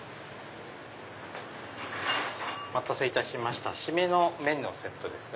お待たせいたしました締めの麺のセットですね。